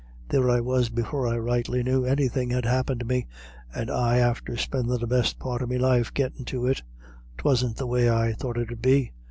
There I was before I rightly knew anythin' had happened me, and I after spendin' the best part of me life gettin' to it. 'Twasn't the way I thought it 'ud be....